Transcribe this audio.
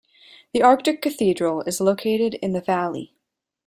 The Arctic Cathedral is located in the valley.